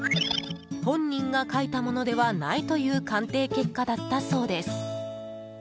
本人が書いたものではないという鑑定結果だったそうです。